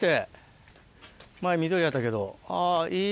前緑やったけど。